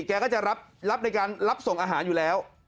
แกก็จะรับในการรับส่งอาหารอยู่แล้ว